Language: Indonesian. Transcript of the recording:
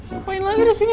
ngapain lagi di sini